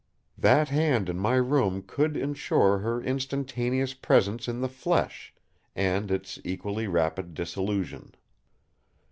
That hand in my room could ensure her instantaneous presence in the flesh, and its equally rapid dissolution.